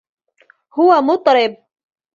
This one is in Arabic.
هو مطرب.